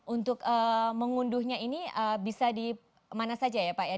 untuk mengunduhnya ini bisa di mana saja ya pak ya